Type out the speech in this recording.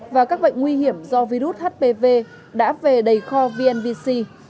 và các bệnh nguy hiểm do virus hpv đã về đầy kho vnvc